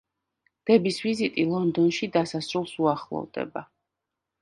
დების ვიზიტი ლონდონში დასასრულს უახლოვდება.